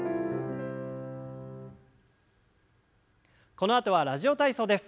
このあとは「ラジオ体操」です。